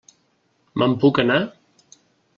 Me'n puc anar?